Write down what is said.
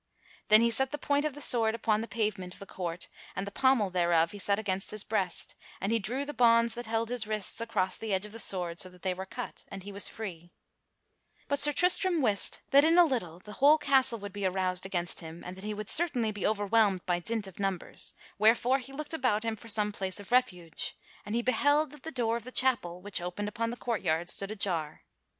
Then he set the point of his sword upon the pavement of the court and the pommel thereof he set against his breast, and he drew the bonds that held his wrists across the edge of the sword so that they were cut and he was free. [Sidenote: Sir Tristram defends the chapel] But Sir Tristram wist that in a little the whole castle would be aroused against him, and that he would certainly be overwhelmed by dint of numbers, wherefore he looked about him for some place of refuge; and he beheld that the door of the chapel which opened upon the courtyard stood ajar.